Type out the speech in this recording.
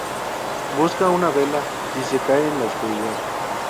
Busca una vela y se cae en la oscuridad.